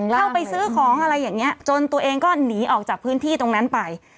เข้าไปซื้อของอะไรอย่างนี้จนตัวเองก็หนีออกจากพื้นที่ตรงนั้นไป